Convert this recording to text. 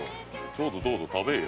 どうぞどうぞ食べや。